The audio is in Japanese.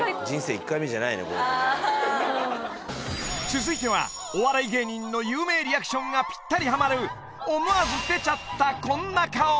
この子ね続いてはお笑い芸人の有名リアクションがピッタリハマる思わず出ちゃったこんな顔